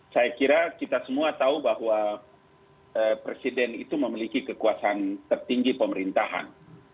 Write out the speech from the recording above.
saya kira kita semua tahu bahwa presiden itu memiliki kekuasaan tertinggi pemerintahan